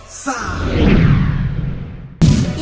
อยากให้ร้องของมูธ